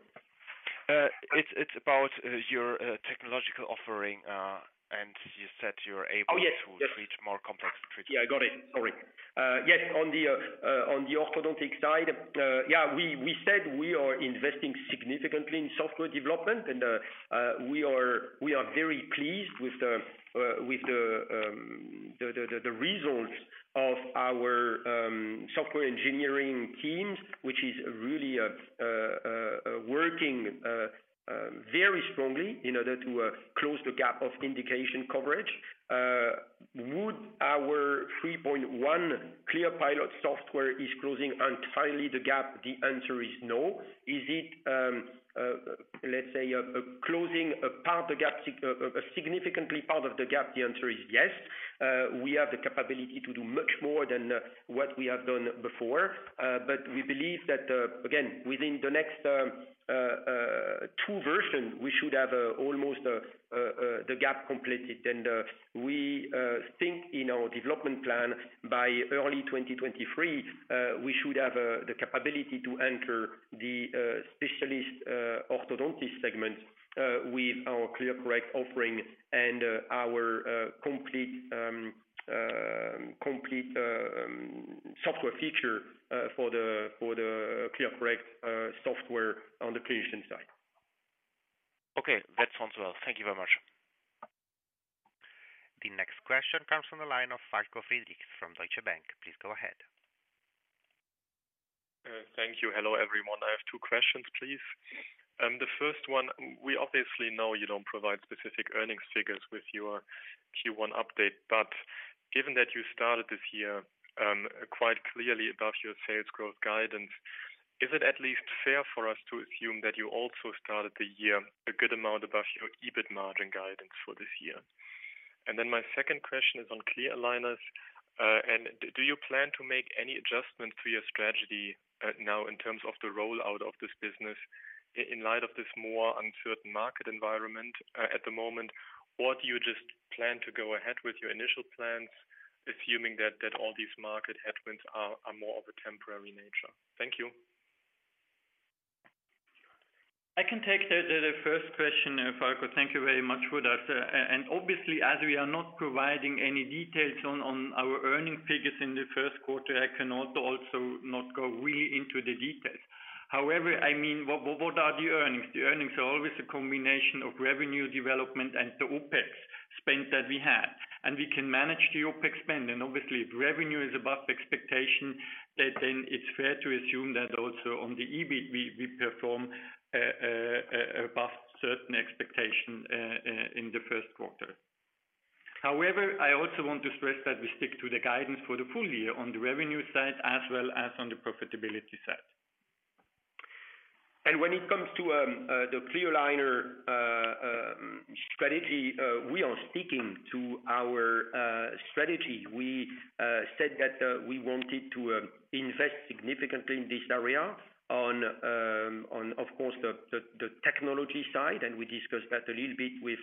It's about your technological offering, and you said you're able- Oh, yes. to treat more complex treatments. Yeah, got it. Sorry. Yes, on the orthodontic side, yeah, we said we are investing significantly in software development and we are very pleased with the results of our software engineering teams, which is really working very strongly in order to close the gap of indication coverage. Would our 3.1 ClearPilot software is closing entirely the gap? The answer is no. Is it, let's say, closing a part of the gap, a significant part of the gap? The answer is yes. We have the capability to do much more than what we have done before. We believe that, again, within the next two versions, we should have almost the gap completed. We think in our development plan by early 2023, we should have the capability to enter the specialist orthodontist segment with our ClearCorrect offering and our complete software feature for the ClearCorrect software on the clinician side. Okay, that sounds well. Thank you very much. The next question comes from the line of Falko Friedrichs from Deutsche Bank. Please go ahead. Thank you. Hello, everyone. I have two questions, please. The first one, we obviously know you don't provide specific earnings figures with your Q1 update, but given that you started this year quite clearly above your sales growth guidance, is it at least fair for us to assume that you also started the year a good amount above your EBITDA margin guidance for this year? My second question is on clear aligners. Do you plan to make any adjustments to your strategy now in terms of the rollout of this business in light of this more uncertain market environment at the moment? Or do you just plan to go ahead with your initial plans, assuming that all these market headwinds are more of a temporary nature? Thank you. I can take the first question, Falko. Thank you very much for that. Obviously, as we are not providing any details on our earnings figures in the first quarter, I cannot also not go really into the details. However, I mean, what are the earnings? The earnings are always a combination of revenue development and the OpEx spend that we have. We can manage the OpEx spend. Obviously, if revenue is above expectation, then it's fair to assume that also on the EBITDA, we perform above certain expectation in the first quarter. However, I also want to stress that we stick to the guidance for the full year on the revenue side as well as on the profitability side. When it comes to the clear aligner strategy, we are sticking to our strategy. We said that we wanted to invest significantly in this area, of course, on the technology side, and we discussed that a little bit with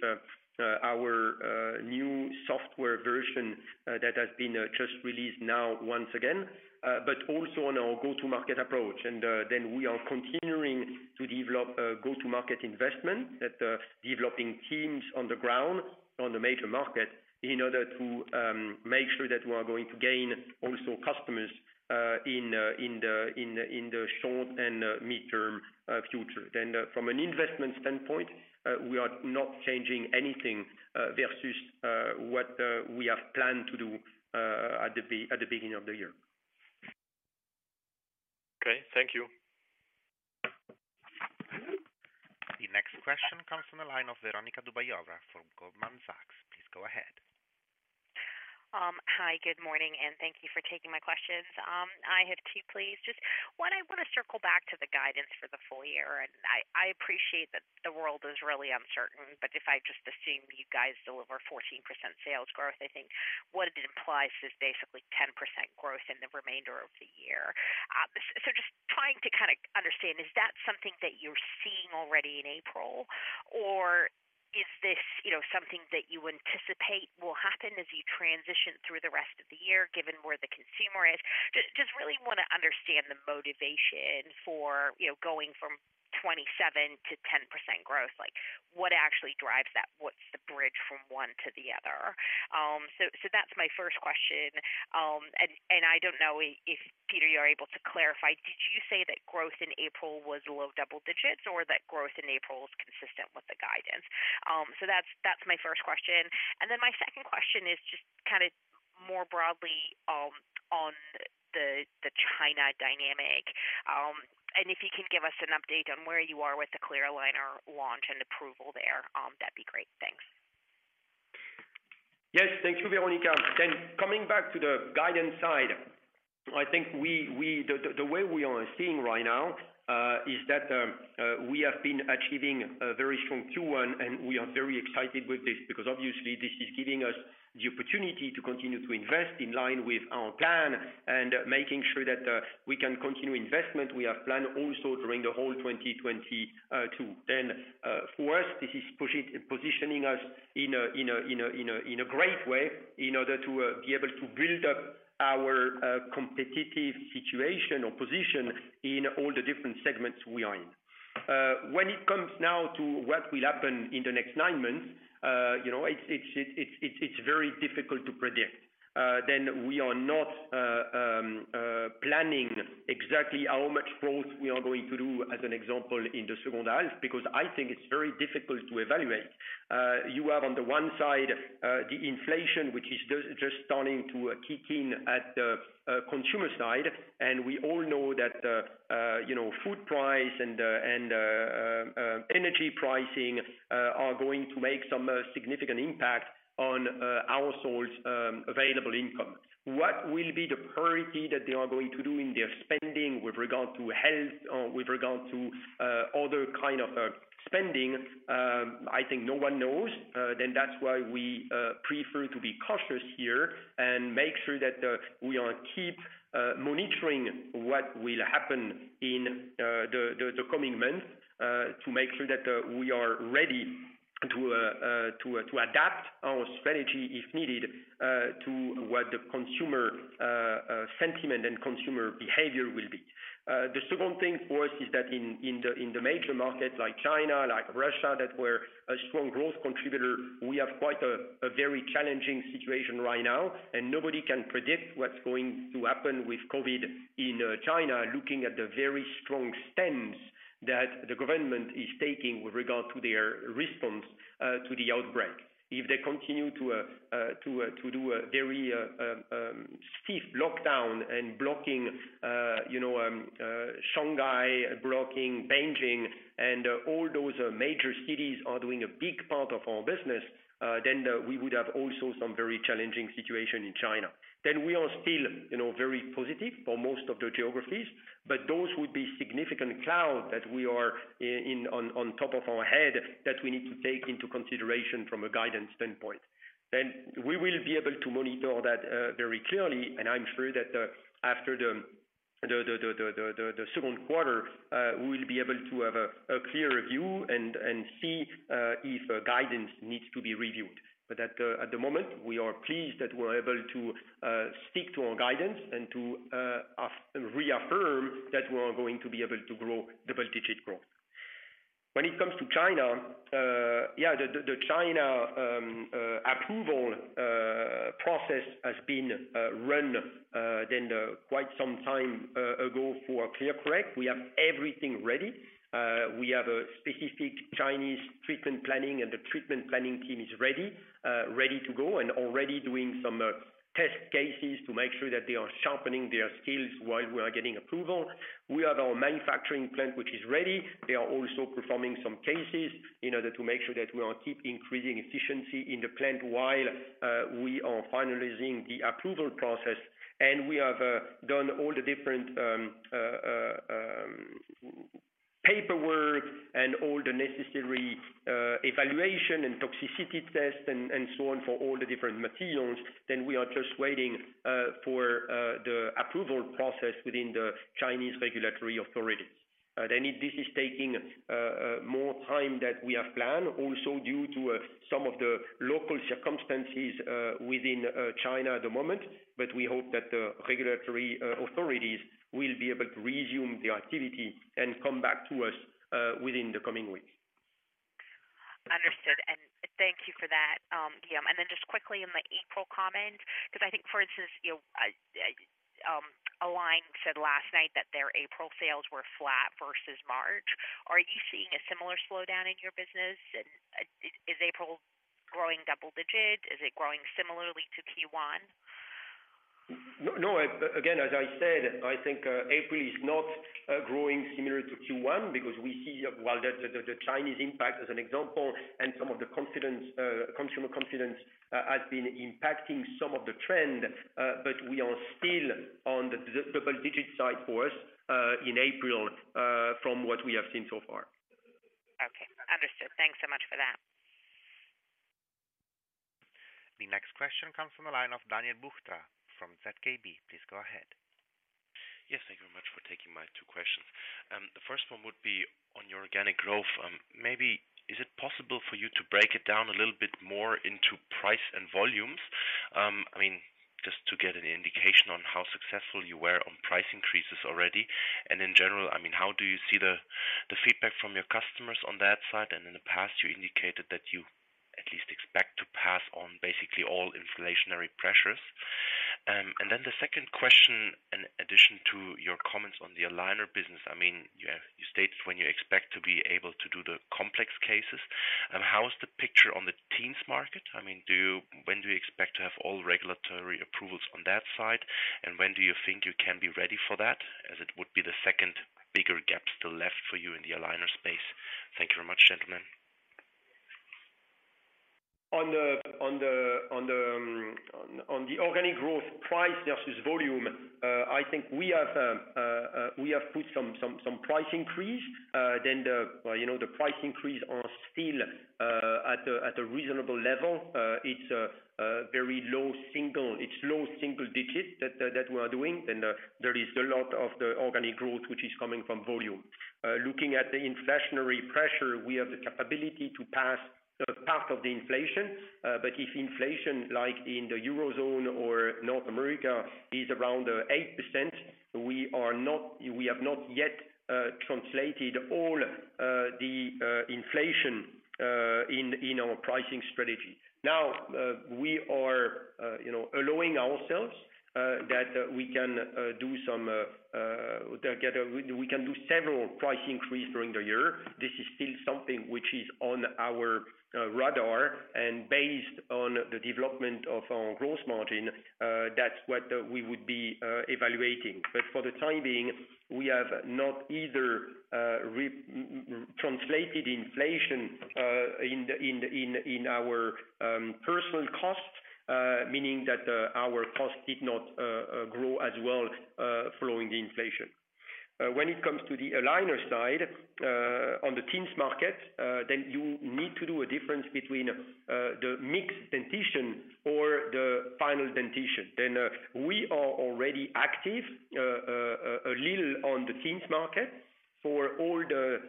our new software version that has been just released now once again, but also on our go-to-market approach. We are continuing to develop go-to-market, investing in developing teams on the ground in the major markets in order to make sure that we are going to gain also customers in the short and midterm future. From an investment standpoint, we are not changing anything versus what we have planned to do at the beginning of the year. Okay. Thank you. The next question comes from the line of Veronika Dubajova from Goldman Sachs. Please go ahead. Hi, good morning, and thank you for taking my questions. I have two, please. Just one, I wanna circle back to the guidance for the full year. I appreciate that the world is really uncertain, but if I just assume you guys deliver 14% sales growth, I think what it implies is basically 10% growth in the remainder of the year. So just trying to kinda understand, is that something that you're seeing already in April? Or is this, you know, something that you anticipate will happen as you transition through the rest of the year, given where the consumer is? Just really wanna understand the motivation for, you know, going from 27%-10% growth. Like, what actually drives that? What's the bridge from one to the other? So that's my first question. I don't know if Peter, you're able to clarify, did you say that growth in April was low double digits or that growth in April is consistent with the guidance? That's my first question. My second question is just kinda more broadly on the China dynamic. If you can give us an update on where you are with the clear aligner launch and approval there, that'd be great. Thanks. Yes. Thank you, Veronika. Coming back to the guidance side, I think the way we are seeing right now is that we have been achieving a very strong Q1, and we are very excited with this because obviously this is giving us the opportunity to continue to invest in line with our plan and making sure that we can continue investment we have planned also during the whole 2022. For us, this is positioning us in a great way in order to be able to build up our competitive situation or position in all the different segments we are in. When it comes now to what will happen in the next nine months, you know, it's very difficult to predict. We are not planning exactly how much growth we are going to do as an example in the second half, because I think it's very difficult to evaluate. You have on the one side the inflation, which is just starting to kick in at the consumer side. We all know that, you know, food price and energy pricing are going to make some significant impact on households' available income. What will be the priority that they are going to do in their spending with regard to health, with regard to other kind of spending, I think no one knows. That's why we prefer to be cautious here and make sure that we keep monitoring what will happen in the coming months to make sure that we are ready to adapt our strategy if needed to what the consumer sentiment and consumer behavior will be. The second thing for us is that in the major markets like China, like Russia, that were a strong growth contributor, we have quite a very challenging situation right now, and nobody can predict what's going to happen with COVID in China, looking at the very strong stance that the government is taking with regard to their response to the outbreak. If they continue to do a very strict lockdown and blocking, you know, Shanghai, blocking Beijing and all those major cities are doing a big part of our business, then we would have also some very challenging situation in China. We are still, you know, very positive for most of the geographies, but those would be significant clouds hanging over our heads that we need to take into consideration from a guidance standpoint. We will be able to monitor that very clearly, and I'm sure that after the second quarter, we will be able to have a clearer view and see if a guidance needs to be reviewed. At the moment, we are pleased that we're able to stick to our guidance and to reaffirm that we are going to be able to grow double-digit growth. When it comes to China, yeah, the China approval process has been running for quite some time ago for ClearCorrect. We have everything ready. We have a specific Chinese treatment planning, and the treatment planning team is ready to go and already doing some test cases to make sure that they are sharpening their skills while we are getting approval. We have our manufacturing plant, which is ready. They are also performing some cases in order to make sure that we keep increasing efficiency in the plant while we are finalizing the approval process. We have done all the different paperwork and all the necessary evaluation and toxicity test and so on for all the different materials. We are just waiting for the approval process within the Chinese regulatory authorities if this is taking more time than we have planned, also due to some of the local circumstances within China at the moment. We hope that the regulatory authorities will be able to resume their activity and come back to us within the coming weeks. Understood, and thank you for that, Guillaume. Just quickly in the April comment, because I think, for instance, you know, Align said last night that their April sales were flat versus March. Are you seeing a similar slowdown in your business? Is April growing double digit? Is it growing similarly to Q1? No, again, as I said, I think, April is not growing similar to Q1 because we see while the Chinese impact as an example, and some of the confidence, consumer confidence, has been impacting some of the trend, but we are still on the double-digit side for us, in April, from what we have seen so far. Okay. Understood. Thanks so much for that. The next question comes from the line of Daniel Buchta from ZKB. Please go ahead. Yes, thank you very much for taking my two questions. The first one would be on your organic growth. Maybe is it possible for you to break it down a little bit more into price and volumes? I mean, just to get an indication on how successful you were on price increases already. In general, I mean, how do you see the feedback from your customers on that side? In the past, you indicated that you at least expect to pass on basically all inflationary pressures. The second question, in addition to your comments on the aligner business, I mean, you stated when you expect to be able to do the complex cases. How is the picture on the teens market? I mean, when do you expect to have all regulatory approvals on that side? When do you think you can be ready for that, as it would be the second bigger gap still left for you in the aligner space? Thank you very much, gentlemen. On the organic growth price versus volume, I think we have put some price increase. You know, the price increase are still at a reasonable level. It's low single digits that we are doing. There is a lot of the organic growth which is coming from volume. Looking at the inflationary pressure, we have the capability to pass part of the inflation. But if inflation, like in the Eurozone or North America, is around 8%, we have not yet translated all the inflation in our pricing strategy. Now, we are, you know, allowing ourselves that we can do several price increase during the year. This is still something which is on our radar and based on the development of our growth margin, that's what we would be evaluating. For the time being, we have not either translated inflation in our personnel costs, meaning that our costs did not grow as well following the inflation. When it comes to the aligner side, on the teens market, then you need to do a difference between the mixed dentition or the final dentition. We are already active a little on the teens market. For all the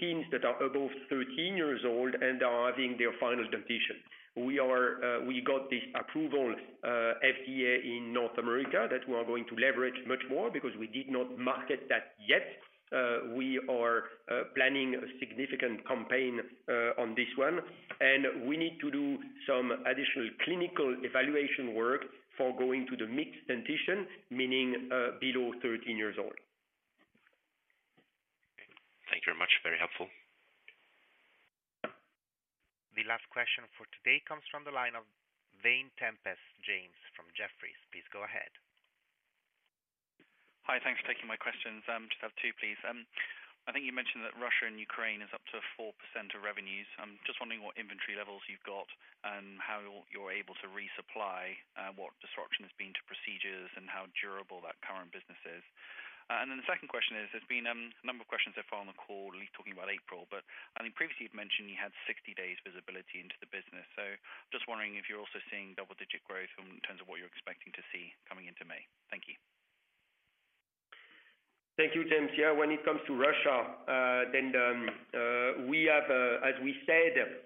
teens that are above 13 years old and are having their final dentition. We got this FDA approval in North America that we are going to leverage much more because we did not market that yet. We are planning a significant campaign on this one, and we need to do some additional clinical evaluation work for going to the mixed dentition, meaning below 13 years old. Okay. Thank you very much. Very helpful. The last question for today comes from the line of James Vane-Tempest from Jefferies. Please go ahead. Hi. Thanks for taking my questions. Just have two, please. I think you mentioned that Russia and Ukraine is up to 4% of revenues. I'm just wondering what inventory levels you've got and how you're able to resupply, what disruption has been to procedures and how durable that current business is. The second question is, there's been a number of questions so far on the call at least talking about April. I think previously you've mentioned you had 60 days visibility into the business. Just wondering if you're also seeing double-digit growth in terms of what you're expecting to see coming into May. Thank you. Thank you, James. Yeah, when it comes to Russia, we have, as we said,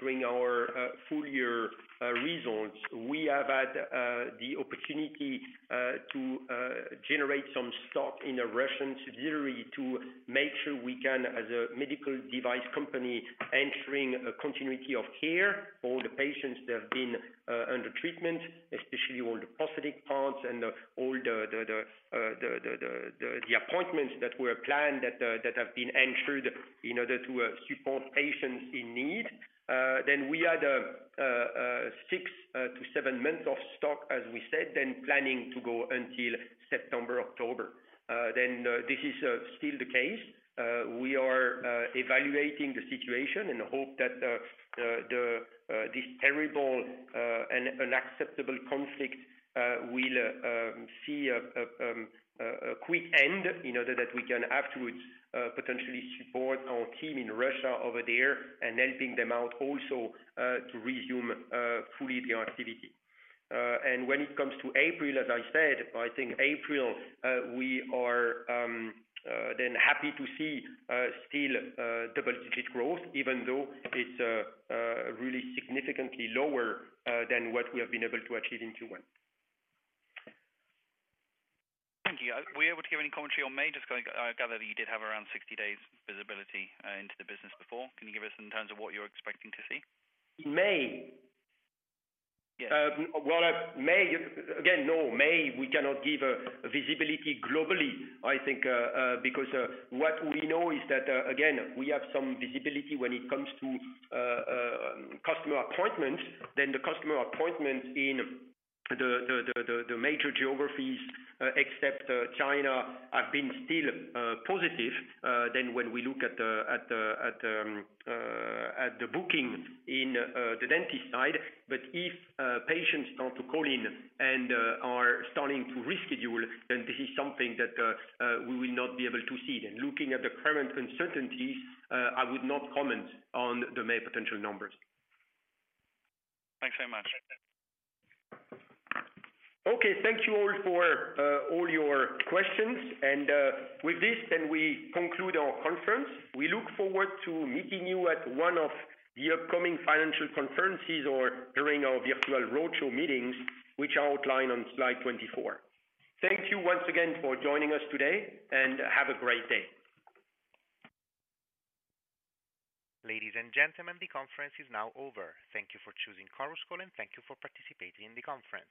during our full year results, we have had the opportunity to generate some stock in a Russian subsidiary to make sure we can, as a medical device company, ensuring a continuity of care for the patients that have been under treatment, especially all the prosthetic parts and the appointments that were planned that have been ensured in order to support patients in need. We had six-seven months of stock, as we said, planning to go until September, October. This is still the case. We are evaluating the situation in the hope that this terrible and unacceptable conflict will see a quick end in order that we can afterwards potentially support our team in Russia over there and helping them out also to resume fully their activity. When it comes to April, as I said, I think in April we are then happy to see still double-digit growth, even though it's really significantly lower than what we have been able to achieve in Q1. Thank you. Were you able to give any commentary on May? I gather that you did have around 60 days visibility into the business before. Can you give us in terms of what you're expecting to see? In May? Yes. Well, May we cannot give a visibility globally, I think, because what we know is that, again, we have some visibility when it comes to customer appointments, then the customer appointments in the major geographies, except China, have been still positive, then when we look at the booking in the dentist side. But if patients start to call in and are starting to reschedule, then this is something that we will not be able to see. Looking at the current uncertainties, I would not comment on the May potential numbers. Thanks very much. Okay. Thank you all for all your questions. With this then we conclude our conference. We look forward to meeting you at one of the upcoming financial conferences or during our virtual roadshow meetings, which are outlined on slide 24. Thank you once again for joining us today, and have a great day. Ladies and gentlemen, the conference is now over. Thank you for choosing Chorus Call, and thank you for participating in the conference.